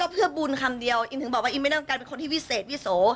เพื่อบุญคำเดียวอินถึงบอกว่าอินไม่ต้องการเป็นคนที่วิเศษวิโส